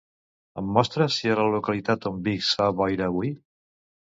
Em mostres si a la localitat on visc fa boira avui?